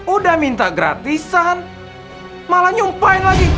udah minta gratisan malah nyumpahin lagi